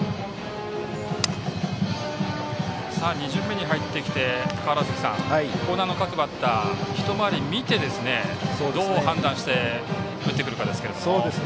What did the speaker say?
２巡目に入ってきて川原崎さん、興南の各バッター一回り見てどう判断して打ってくるかですが。